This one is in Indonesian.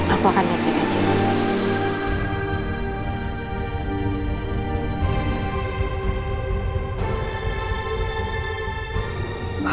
aku akan baik baik aja